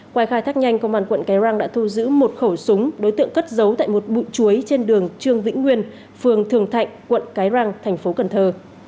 qua khai thác nhanh công an quận cái răng đã thu giữ một khẩu súng đối tượng cất giấu tại một bụi chuối trên đường trương vĩnh nguyên phường thường thạnh quận cái răng thành phố cần thơ